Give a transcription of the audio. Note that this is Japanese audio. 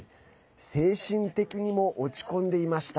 精神的にも落ち込んでいました。